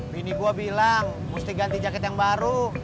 lini gue bilang mesti ganti jaket yang baru